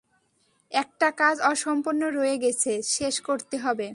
একটা কাজ অসম্পূর্ণ রয়ে গেছে, শেষ করতে হবে।